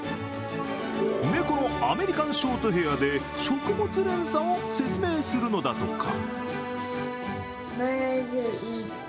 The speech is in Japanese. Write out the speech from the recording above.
猫のアメリカンショートヘアで食物連鎖を説明するのだとか。